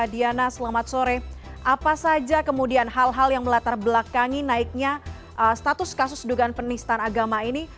diana selamat sore apa saja kemudian hal hal yang melatar belakangi naiknya status kasus dugaan penistaan agama ini